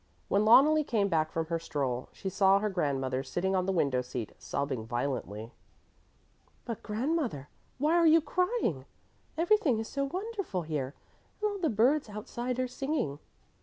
When Loneli came back from her stroll, she saw her grandmother sitting on the window seat, sobbing violently. "But grandmother, why are you crying? Everything is so wonderful here, and all the birds outside are singing."